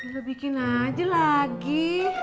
lo bikin aja lagi